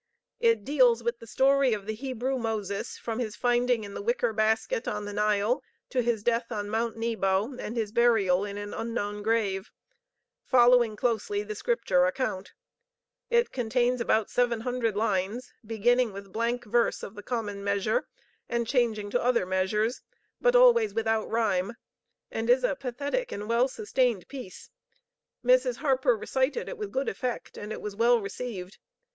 It deals with the story of the Hebrew Moses from his finding in the wicker basket on the Nile to his death on Mount Nebo and his burial in an unknown grave; following closely the Scripture account. It contains about 700 lines, beginning with blank verse of the common measure, and changing to other measures, but always without rhyme; and is a pathetic and well sustained piece. Mrs. Harper recited it with good effect, and it was well received.